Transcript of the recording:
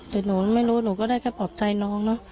แต่หนูไม่รู้หนูก็ได้แค่ปลอบใจน้องเนอะ